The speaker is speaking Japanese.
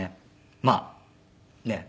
まあねえ。